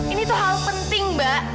ini tuh hal penting mbak